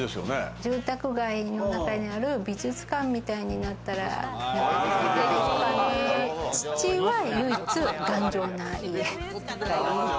住宅街の中にある美術館みたいになったらいいなぁって。